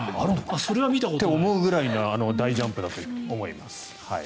それは見たことない。と思うぐらいの大ジャンプだと思います。